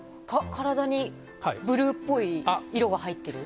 体にブルーっぽい色が入ってる？